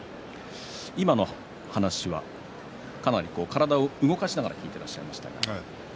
今の話は、かなり体を動かしながら聞いていましたね。